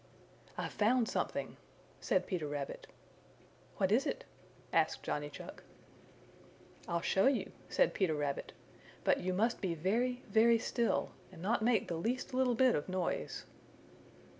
"I've found something," said Peter Rabbit. "What is it?" asked Johnny Chuck. "I'll show you," said Peter Rabbit, "but you must be very, very still, and not make the least little bit of noise."